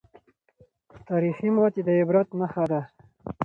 تاریخي ماتې د عبرت نښه ده.